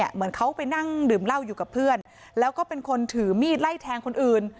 เหมือนเขาไปนั่งดื่มเหล้าอยู่กับเพื่อนแล้วก็เป็นคนถือมีดไล่แทงคนอื่น